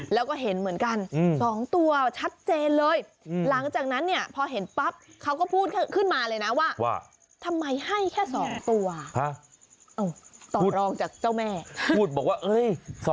ได้เห็นเหมือนกัน๒ตัวชัดเจนเลย